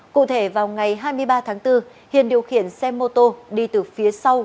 cụ thể vào ngày hai mươi ba tháng bốn hiền điều khiển xe mô tô đi từ phía sau